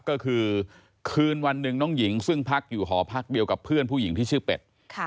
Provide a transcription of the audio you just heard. ก็คือคืนวันหนึ่งน้องหญิงซึ่งพักอยู่หอพักเดียวกับเพื่อนผู้หญิงที่ชื่อเป็ด